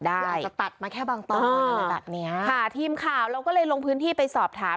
อาจจะตัดมาแค่บางตอนอะไรแบบเนี้ยค่ะทีมข่าวเราก็เลยลงพื้นที่ไปสอบถาม